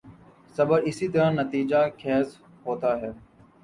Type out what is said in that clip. صبر اسی طرح نتیجہ خیز ہوتا ہے۔